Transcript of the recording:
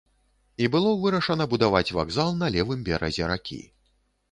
І было вырашана будаваць вакзал на левым беразе ракі.